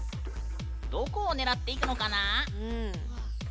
どこを狙っていくのかな。